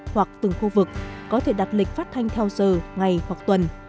hoặc từng khu vực có thể đặt lịch phát thanh theo giờ ngày hoặc tuần